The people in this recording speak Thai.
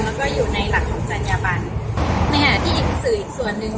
แล้วก็อยู่ในหลักของธรรยบรรษไหนเหอะที่กี่ศืออีกส่วนหนึ่ง